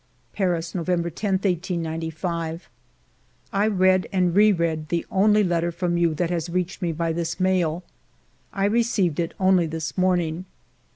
"Paris, November io, i895». " I read and re read the only letter from you that has reached me by this mail. I received it only this morning.